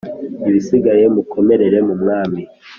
Ibisigaye mukomerere mu mwami